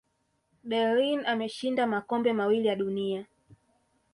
berlin ameshinda makombe mawili ya dunia